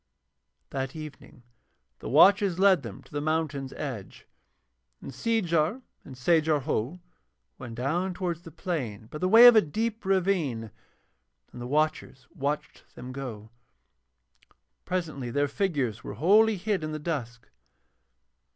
That evening the watchers led them to the mountain's edge, and Seejar and Sajar Ho went down towards the plain by the way of a deep ravine, and the watchers watched them go. Presently their figures were wholly hid in the dusk.